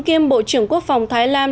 kiêm bộ trưởng quốc phòng thái lan